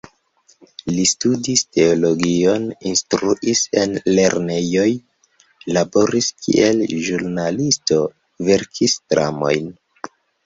Li studis teologion, instruis en lernejoj, laboris kiel ĵurnalisto, verkis dramojn.